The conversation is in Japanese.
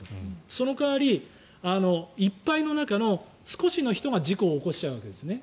その代わりいっぱいの中の少しの人が事故を起こしちゃうわけですね。